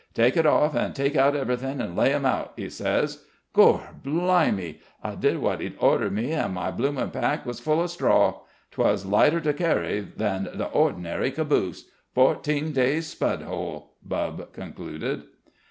Take it off and take out everything and lay them out,' 'e says. Gor' blimey! I did wot 'e ordered me, an' my bloomin' pack was full of straw. 'Twas lighter to carry than the or'nary caboosh. Fourteen days' spudhole," Bubb concluded.